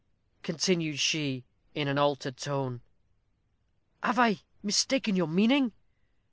continued she in an altered tone, "have I mistaken your meaning?